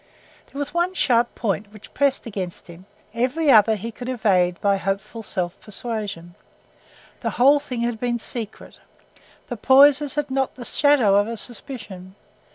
That was the one sharp point which pressed against him; every other he could evade by hopeful self persuasion. The whole thing had been secret; the Poysers had not the shadow of a suspicion.